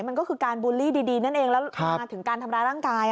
มันก็คือการบูลลี่ดีนั่นเองแล้วมาถึงการทำร้ายร่างกาย